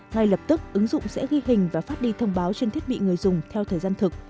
ngay lập tức ứng dụng sẽ ghi hình và phát đi thông báo trên thiết bị người dùng theo thời gian thực